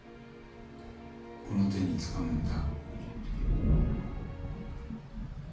この手につかむんだ」